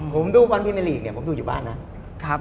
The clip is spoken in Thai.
ผมดูบอลพิเมอร์ลีกผมดูอยู่บ้านนะ